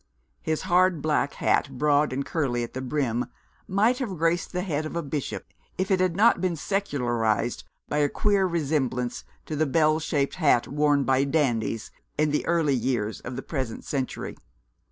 His hard black hat, broad and curly at the brim, might have graced the head of a bishop, if it had not been secularised by a queer resemblance to the bell shaped hat worn by dandies in the early years of the present century.